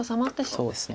そうですね。